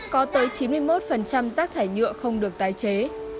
có tới chín mươi một rác thải nhựa không được tái chế